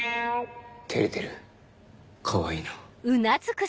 照れてるかわいいな。